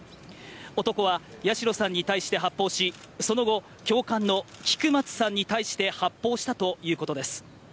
男は八代さんに対して発砲し、その後、教官の菊松さんに対して発砲したということです。